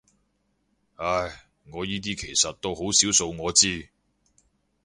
唉，我依啲其實到好少數我知